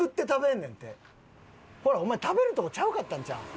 ほらお前食べるとこちゃうかったんちゃうん？